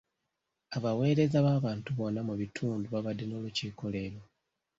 Abaweereza b'abantu bonna mu bitundu babadde n'olukiiko leero.